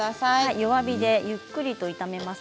弱火でゆっくり炒めます。